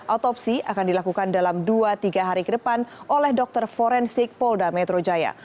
otopsi akan dilakukan dalam dua tiga hari ke depan oleh dokter forensik polda metro jaya